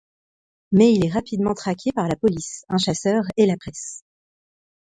Mais il est rapidement traqué par la police, un chasseur et la presse.